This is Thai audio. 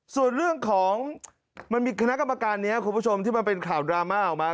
ส่วนเรื่องของมันมีคณะกรรมการนี้คุณผู้ชมที่มันเป็นข่าวดราม่าออกมา